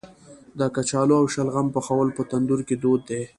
د کچالو او شلغم پخول په تندور کې دود دی.